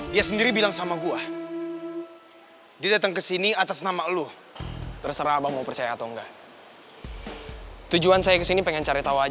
dan langsung datangin dojohnya chandra